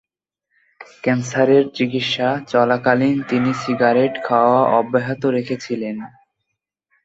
ক্যান্সারের চিকিৎসা চলাকালীন তিনি সিগারেট খাওয়া অব্যাহত রেখেছিলেন।